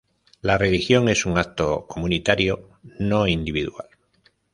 La religión es un acto comunitario, no individual.